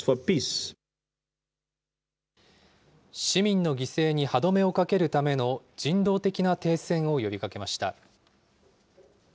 市民の犠牲に歯止めをかけるための人道的な停戦を呼びかけました。